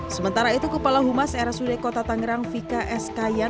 sementara itu kepala humas rsud kota tangerang vika s kayan